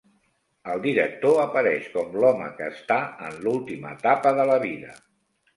El director apareix com l'home que està en l'última etapa de la vida.